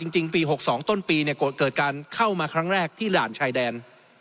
จริงปี๖๒ต้นปีเกิดการเข้ามาครั้งแรกที่ด่านชายแดน